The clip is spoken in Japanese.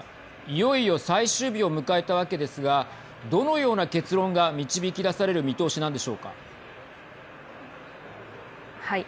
いよいよ最終日を迎えたわけですがどのような結論が導き出されるはい。